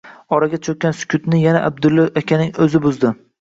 Oraga cho‘kkan sukutni yana Abdulla akaning o‘zi buzdi: